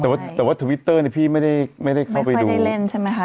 แต่ว่าทวิตเตอร์เนี่ยพี่ไม่ได้เข้าไปดูไม่ค่อยได้เล่นใช่ไหมครับ